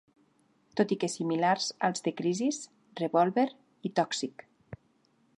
Tot i que similars als de "Crisis", "Revolver" i "Toxic!".